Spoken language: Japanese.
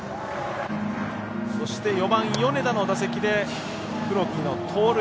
そして、４番、米田の打席で黒木の盗塁。